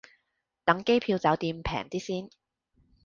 等機票酒店平啲先